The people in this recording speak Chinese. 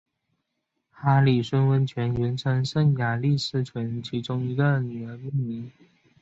哈里逊温泉原称圣雅丽斯泉其中一个女儿命名。